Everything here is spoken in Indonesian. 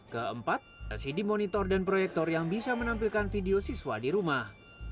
keempat residi monitor dan proyektor yang bisa menampilkan video siswa di rumah